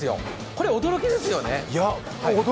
これ、驚きですよね。